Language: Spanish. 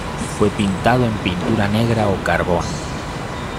Fue pintado en pintura negra o carbón.